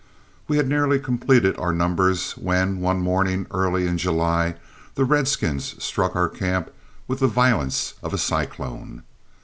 We had nearly completed our numbers when, one morning early in July, the redskins struck our camp with the violence of a cyclone.